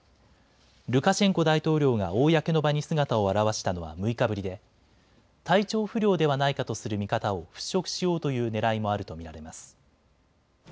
ルカシェンコ大統領が公の場に姿を現したのは６日ぶりで体調不良ではないかとする見方を払拭しようというねらいもあると見られます。